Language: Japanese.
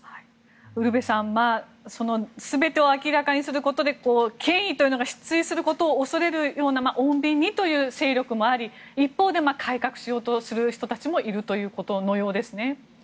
ウルヴェさん、その全てを明らかにすることで権威というのが失墜することを恐れるという穏便にという勢力もあり一方で改革しようとする人たちもいるようですね。